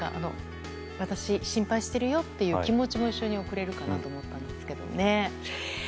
私、心配してるよって気持ちも一緒に贈れるかなと思ったんですけどね。